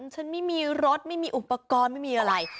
ฉันไม่มีรถไม่มีอุปกรณ์ไม่มีอะไร